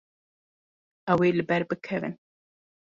Ew ê li ber bikevin.